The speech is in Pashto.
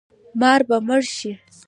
مار به مړ شي